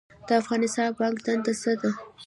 د افغانستان بانک دنده څه ده؟